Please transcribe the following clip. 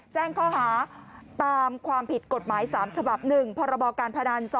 แจ้งข้อหาตามความผิดกฎหมาย๓ฉบับ๑พรบการพนัน๒